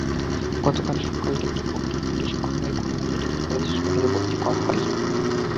গতকাল সকালে দীপককে পুলিশি পাহারায় খুলনা মেডিকেল কলেজ হাসপাতালে ভর্তি করা হয়।